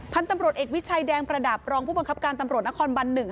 พันธุ์ตำรวจเอกวิชัยแดงประดับรองผู้บังคับการตำรวจนครบัน๑